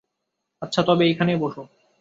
আচ্ছা, তবে এইখানেই বোসো।